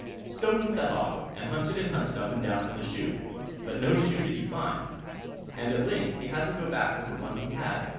So he set off, and hunted and hunted up and down for the shoe, but no shoe did he find; and at length he had to go back with the one he had.